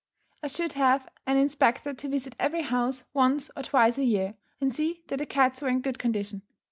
I should have an inspector to visit every house once or twice a year, and see that the cats were in good condition.